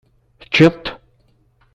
Teččiḍ-t?